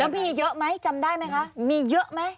มีเยอะไหมจำได้ไหมคะมีเยอะไหม